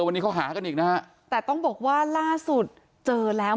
วันนี้เขาหากันอีกนะฮะแต่ต้องบอกว่าล่าสุดเจอแล้ว